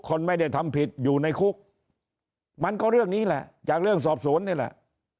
คนไม่ได้ทำผิดอยู่ในคุกมันก็เรื่องนี้แหละจากเรื่องสอบสวนนี่แหละ